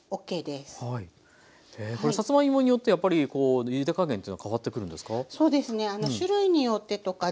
えこれさつまいもによってやっぱりゆで加減というのはかわってくるんですか？